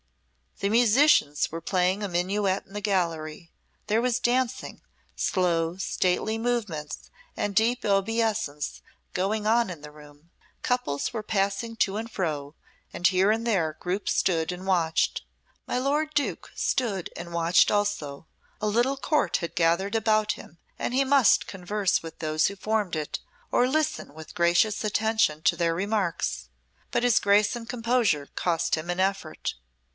The musicians were playing a minuet in the gallery, there was dancing, slow, stately movements and deep obeisance going on in the room, couples were passing to and fro, and here and there groups stood and watched. My lord Duke stood and watched also; a little court had gathered about him and he must converse with those who formed it, or listen with gracious attention to their remarks. But his grace and composure cost him an effort.